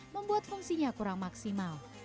membuat fungsinya kurang maksimal